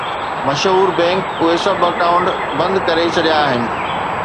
مشهور بئنڪ اهي سڀ اڪائونٽ بند ڪري ڇڏيا آهن